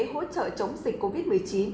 hỗ trợ chống dịch covid một mươi chín